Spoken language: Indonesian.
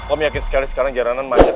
om yakin sekali sekarang jalanan manjat